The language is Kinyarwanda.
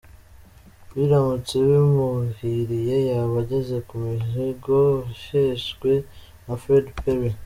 Biramutse bimuhiriye yaba ageze ku muhigo weshejwe na Fred Perry.